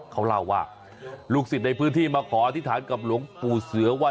เขาเล่าว่าลูกศิษย์ในพื้นที่มาขออธิษฐานกับหลวงปู่เสือว่า